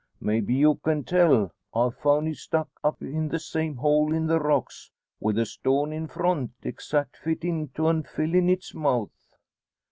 Maybe you can tell. I foun' it stuck up the same hole in the rocks, wi' a stone in front exact fittin' to an' fillin' its mouth."